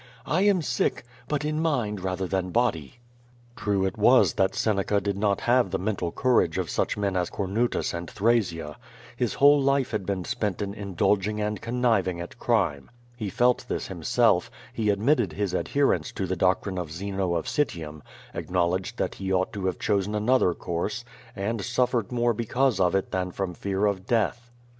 I am sick — ^but in mind rather than body." True it was Seneca did not have the mental courage of such men as Comutus and Thrasea. His whole life had been spent in indulging and conniving at crime. He felt this him self; he admitted his adherence to the doctrine of Zeno of Citium; acknowledged that he ought to have chosen another course — ^and suffered more because of it than from fear of death.